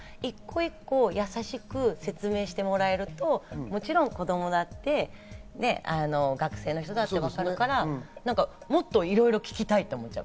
だから一個一個、やさしく説明してもらえると、もちろん子供だって、学生の人だってわかるから、もっといろいろ聞きたいって思っちゃう。